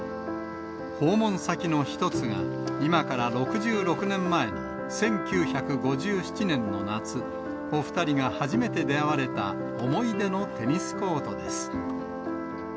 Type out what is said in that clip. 訪問先の一つが、今から６６年前の１９５７年の夏、お２人が初めて出会われた思い出のテニスコートです。